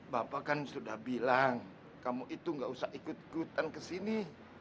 bapak kan sudah bilang kamu itu nggak usah ikut ikutan ke sini